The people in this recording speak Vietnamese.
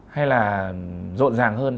hay là rộn ràng hơn